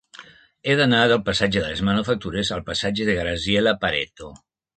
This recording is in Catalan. He d'anar del passatge de les Manufactures al passatge de Graziella Pareto.